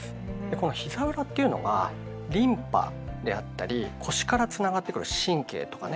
このひざ裏っていうのがリンパであったり腰からつながってくる神経とかね